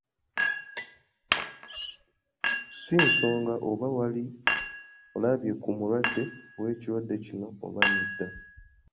Si nsonga oba wali olabye ku mulwadde w’ekirwadde kino oba nedda.